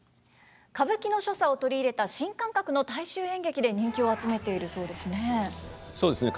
歌舞伎の所作を取り入れた新感覚の大衆演劇で人気を集めているそうですね。